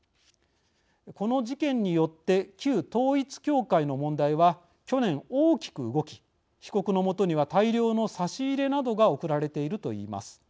この事件によって旧統一教会の問題は去年、大きく動き被告のもとには大量の差し入れなどが送られていると言います。